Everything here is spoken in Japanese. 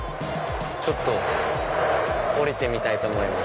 ちょっと降りてみたいと思います。